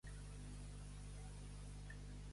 Dir, diu qualsevol; fer, sols qui sàpia, puga i vulga.